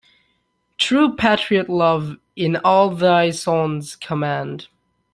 True patriot love in all thy sons command.